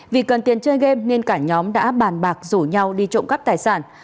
vì cần tiền chơi game nên cả nhóm đã bàn bạc rủ nhau đi trộm cắp tài sản